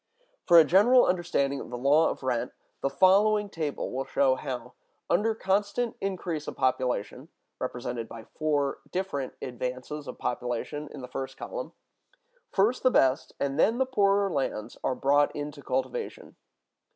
For a general understanding of the law of rent the following table will show how, under constant increase of population (represented by four different advances of population, in the first column), first the best and then the poorer lands are brought into cultivation.